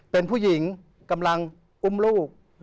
เป็นผู้หญิงกำลังอุ้มลูก